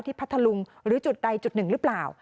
พัทธลุงหรือจุดใดจุดหนึ่งหรือเปล่า